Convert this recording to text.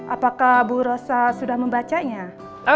apakah bu rosa sudah membacanya